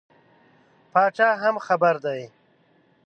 پاچا هم خبر دی.